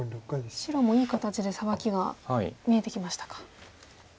白もいい形でサバキが見えてきましたか。